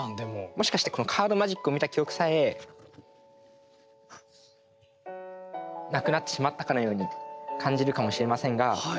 もしかしてこのカードマジックを見た記憶さえなくなってしまったかのように感じるかもしれませんが。